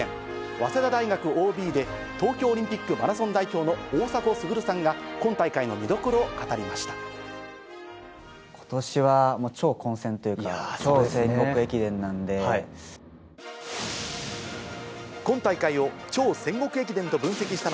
早稲田大学ＯＢで、東京オリンピックマラソン代表の大迫傑さんが、今大会の見どころを語りました。